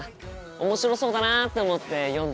面白そうだなって思って読んだ